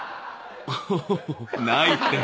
おないって！